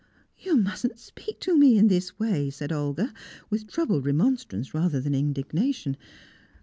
"You mustn't speak to me in this way," said Olga, with troubled remonstrance rather than indignation.